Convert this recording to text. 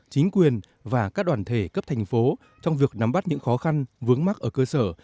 chính quyền và các đoàn thể cấp thành phố trong việc nắm bắt những khó khăn vướng mắt ở cơ sở